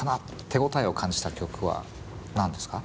手応えを感じた曲は何ですか？